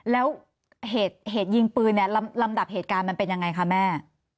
แล้วเหตุยิงปืนเนี่ยลำดับเหตุการณ์มันเป็นยังไงคะแม่